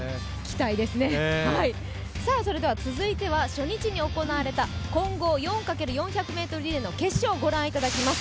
それでは続いては初日に行われた混合４×４００ｍリレーの決勝をご覧いただきます。